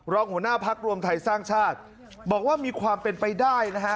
หัวหน้าพักรวมไทยสร้างชาติบอกว่ามีความเป็นไปได้นะฮะ